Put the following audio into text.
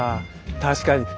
確かに。